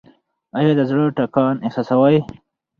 ایا د زړه ټکان احساسوئ؟